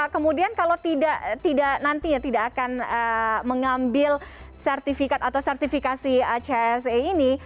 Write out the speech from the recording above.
kemudian kalau tidak nantinya tidak akan mengambil sertifikat atau sertifikasi acse ini